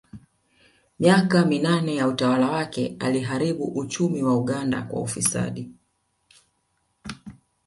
Miaka minane ya utawala wake aliharibu uchumi wa Uganda kwa ufisadi